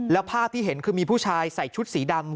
แล้วภาพที่เห็นคือมีผู้ชายใส่ชุดสีดำ